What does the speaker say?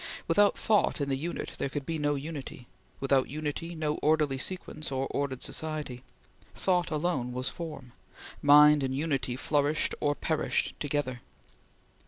Without thought in the unit, there could be no unity; without unity no orderly sequence or ordered society. Thought alone was Form. Mind and Unity flourished or perished together.